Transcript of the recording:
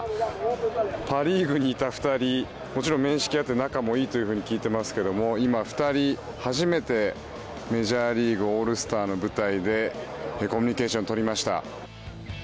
パ・リーグにいた２人もちろん面識があって仲がいいと聞いていますが今、２人初めてメジャーリーグオールスターの舞台でコミュニケーションを取りました。